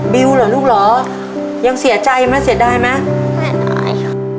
บิ๊วเหรอลูกเหรอยังเสียใจมาเสียดายมั้ย